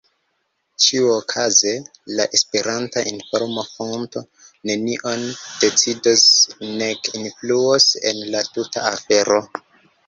Ĉiuokaze, la Esperanta inform-fonto nenion decidos nek influos en la tuta afero.